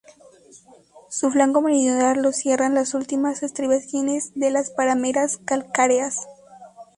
Su flanco meridional lo cierran las últimas estribaciones de las parameras calcáreas.